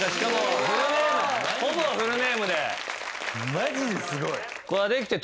マジですごい。